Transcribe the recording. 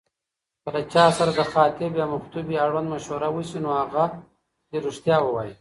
که له چاسره دخاطب يامخطوبې اړوند مشوره وسي، نو هغه دي رښتيا ووايي